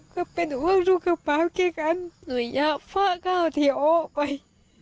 ก็เป็นอ้วนลูกกระเป๋าเก่งกันหนุ่ยยากฟะข้าวที่โอ๊ะไป